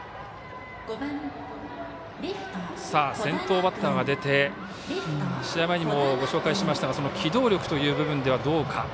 先頭バッターが出て試合前にもご紹介しましたが機動力という部分ではどうか。